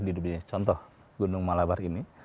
hidup di contoh gunung malabar ini